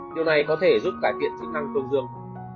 điều này có thể giúp cải thiện tính năng phương dương